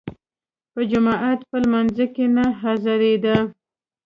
په جماعت په لمانځه کې نه حاضرېدی.